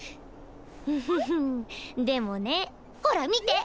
うふふでもねほら見て。